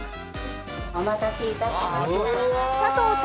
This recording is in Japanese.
お待たせいたしました。